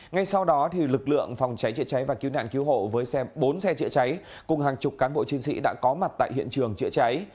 ngay sau đó lực lượng phòng cháy chữa cháy và cứu nạn cứu hộ với bốn xe chữa cháy cùng hàng chục cán bộ chiến sĩ đã có mặt tại hiện trường chữa cháy